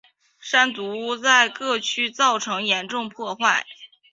山竹在各区造成严重破坏。